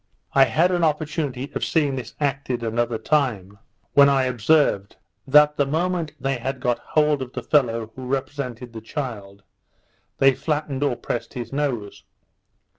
I had an opportunity of seeing this acted another time, when I observed, that the moment they had got hold of the fellow who represented the child, they flattened or pressed his nose.